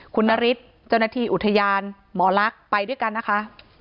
คุณนฤทธิ์เจ้าหน้าที่อุทยานหมอลักษณ์ไปด้วยกันนะคะ